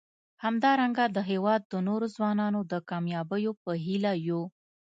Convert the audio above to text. همدارنګه د هیواد د نورو ځوانانو د کامیابیو په هیله یو.